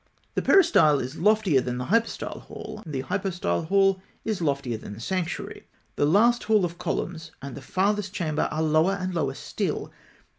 The peristyle is loftier than the hypostyle hall, and the hypostyle hall is loftier than the sanctuary. The last hall of columns and the farthest chamber are lower and lower still.